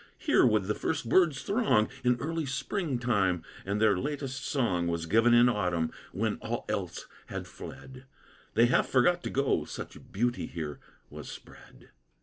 Here would the first birds throng, In early spring time, and their latest song Was given in autumn; when all else had fled, They half forgot to go; such beauty here was spread.